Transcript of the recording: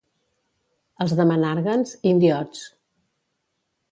Els de Menàrguens, indiots.